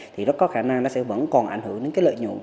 thì nó có khả năng nó sẽ vẫn còn ảnh hưởng đến cái lợi nhuận